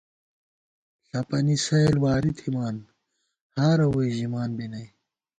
ݪَپَنی سَئیل واری تھِمان ہارہ ووئی ژِمان بی نئ